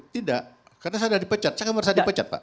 tidak karena saya dipecat saya nggak merasa dipecat pak